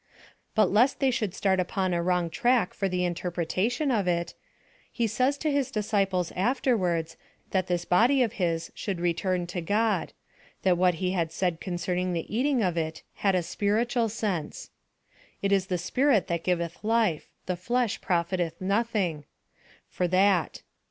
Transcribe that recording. But lest they should start upon a wrong track for the interpretation of it, he says to his disciples afterwards, that this body of his should return to God; that what he had said concerning the eating of it had a spiritual sense: "It is the spirit that giveth life; the flesh profiteth nothing" for that.